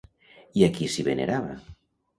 I a qui s'hi venerava?